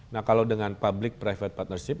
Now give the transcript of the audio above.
nah kalau dengan public private partnership